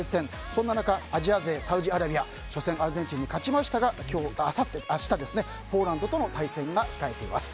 そんな中アジア勢サウジアラビア初戦アルゼンチンに勝ちましたが明日ポーランドとの対戦を控えています。